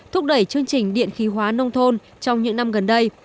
thúc đẩy chương trình điện khí hóa nông thôn trong những năm gần đây